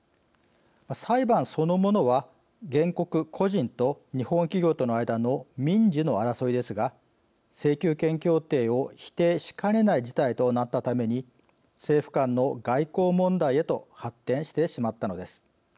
裁判そのものは原告個人と日本企業との間の民事の争いですが、請求権協定を否定しかねない事態となったために政府間の外交問題へと発展してしまったのです。